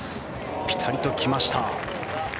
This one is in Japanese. ピタリと来ました。